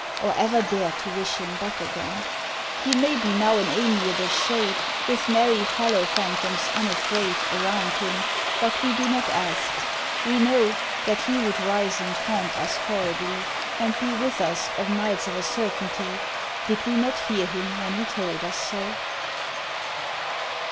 Or ever dare to wish him back again. S48J He may be now an amiable shade, With merry fellow phantoms unafraid Around him — ^but we do not ask. We know That he would rise and haunt us horribly. And be with us o' nights of a certainty. Did we not hear him when he told us so?